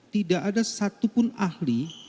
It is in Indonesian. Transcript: tidak ada satupun ahli